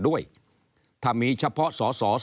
ก็จะมาจับทำเป็นพรบงบประมาณ